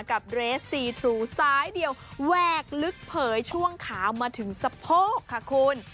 เรสซีทรูซ้ายเดียวแหวกลึกเผยช่วงขาวมาถึงสะโพกค่ะคุณ